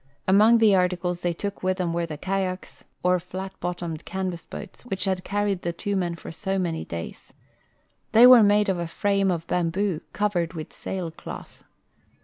Among the articles they took Avith them Avere the kayaks, or flat bottomed canvas boats, Avhich had carried the tAVO men for so many days. The}^ Avere made of a frame of bamboo, covered Avith sailcloth.